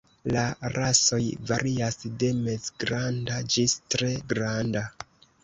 La rasoj varias de mezgranda ĝis tre granda.